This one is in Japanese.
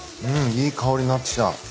いい香りになってきた。